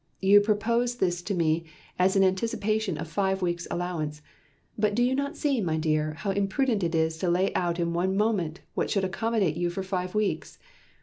You propose this to me as an anticipation of five weeks' allowance, but do you not see, my dear, how imprudent it is to lay out in one moment what should accommodate you for five weeks?